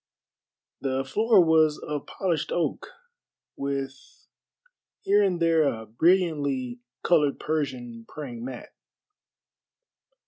The floor was of polished oak, with here and there a brilliantly colored Persian praying mat.